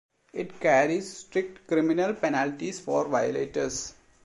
It carries strict criminal penalties for violators.